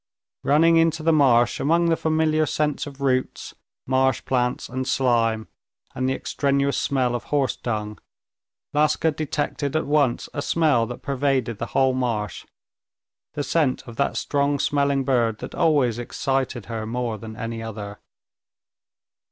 Running into the marsh among the familiar scents of roots, marsh plants, and slime, and the extraneous smell of horse dung, Laska detected at once a smell that pervaded the whole marsh, the scent of that strong smelling bird that always excited her more than any other.